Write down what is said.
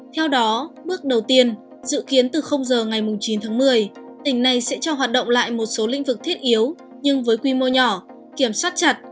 theo đó bước đầu tiên dự kiến từ giờ ngày chín tháng một mươi tỉnh này sẽ cho hoạt động lại một số lĩnh vực thiết yếu nhưng với quy mô nhỏ kiểm soát chặt